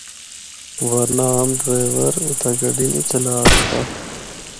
ورنہ عام ڈریور اِتھا گڈی نیں چَلّا ہکدا۔